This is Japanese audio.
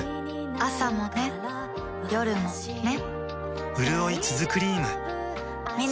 朝もね、夜もね